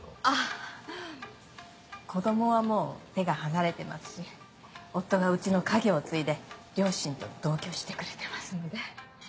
あ子どもはもう手が離れてますし夫がうちの家業を継いで両親と同居してくれてますんで。